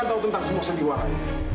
dia tahu tentang semua sandiwara ini